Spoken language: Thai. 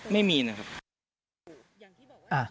ไม่มีนะครับ